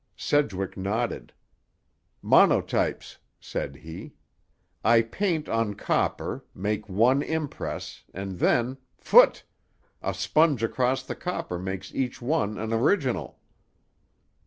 Sedgwick nodded. "Monotypes," said he. "I paint on copper, make one impress, and then—phut!—a sponge across the copper makes each one an original."